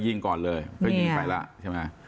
ยิงก่อนเลยเขายิงไปล่ะใช่ไหมเหมือนไว้